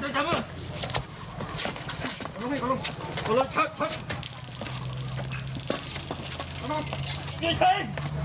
ใจมือใจมือ